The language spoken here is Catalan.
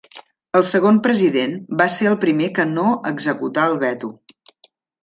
El segon president va ser el primer que no executar el veto.